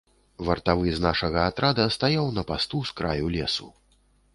Вартавы з нашага атрада стаяў на пасту з краю лесу.